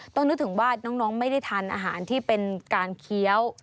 นึกถึงว่าน้องไม่ได้ทานอาหารที่เป็นการเคี้ยว